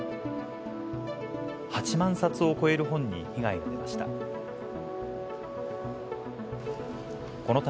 ８万冊を超える本に被害が出ました。